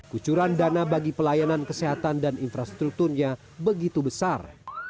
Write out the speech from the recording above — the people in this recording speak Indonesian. kucuran dana bagi pelayanan kesehatan dan infrastrukturnya begitu besar